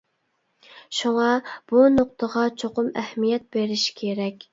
شۇڭا بۇ نۇقتىغا چوقۇم ئەھمىيەت بېرىش كېرەك.